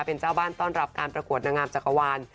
เป็นเจ้าบ้านต้อนรับการประกวดนางงามจักรวาล